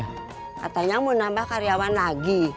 katanya mau nambah karyawan lagi